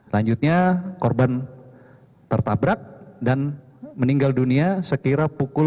lanjutnya korban tertabrak dan meninggal dunia sekira pukul sembilan tiga puluh satu